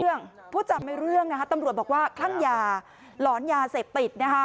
แต่ผู้จับไม่รู้เรื่องตำรวจบอกว่าคลั่งหย่าหลอนยาเสพติด